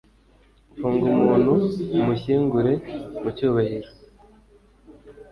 Funga umuntu umushyingure mu cyubahiro